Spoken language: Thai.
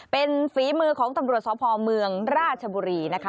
เป็นฝีมือของตำรวจสพเมืองราชบุรีนะคะ